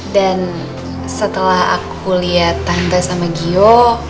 dan setelah aku lihat tante sama gio